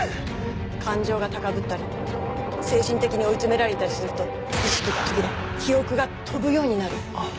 感情が高ぶったり精神的に追い詰められたりすると意識が途切れ記憶が飛ぶようになる。